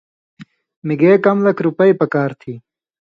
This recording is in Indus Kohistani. مِگے کم لکھ دَوئے پکار تھی۔